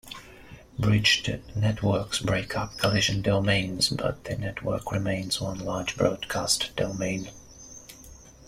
Bridged networks break up collision domains, but the network remains one large broadcast domain.